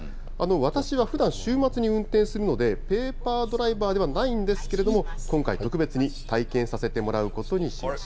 私はふだん、週末に運転するので、ペーパードライバーではないんですけれども、今回、特別に体験させてもらうことにしました。